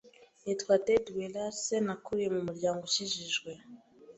Nitwa Ted Wallace, Nakuriye mu muryango ukijijwe,